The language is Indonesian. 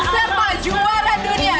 serta juara dunia